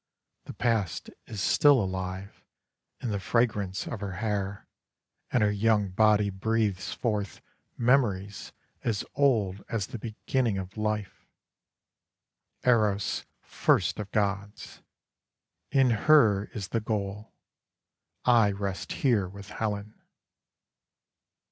The past is still alive in the fragrance of her hair and her young body breathes forth memories as old as the beginning of life — Eros first of gods. In her is the goal. I rest here with Helen.'